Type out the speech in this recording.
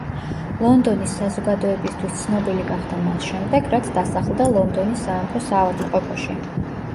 ლონდონის საზოგადოებისთვის ცნობილი გახდა მას შემდეგ, რაც დასახლდა ლონდონის სამეფო საავადმყოფოში.